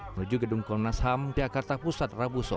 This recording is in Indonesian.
menuju gedung komnas ham jakarta pusat